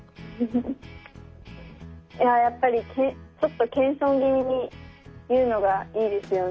いややっぱりちょっと謙遜気味に言うのがいいですよね。